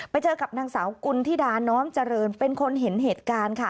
ไปเจอกับนางสาวกุณฑิดาน้อมเจริญเป็นคนเห็นเหตุการณ์ค่ะ